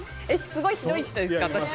すごいひどい人ですか？